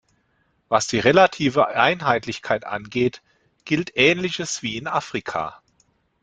Was die relative Einheitlichkeit angeht, gilt Ähnliches wie in Afrika.